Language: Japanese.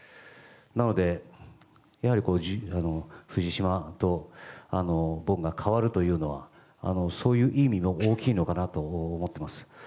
なので藤島と僕が代わるというのはそういう意味が大きいのかなと思っております。